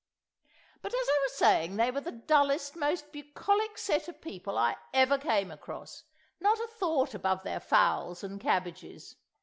But as I was saying, they were the dullest, most bucolic set of people I ever came across; not a thought above their fowls and cabbages.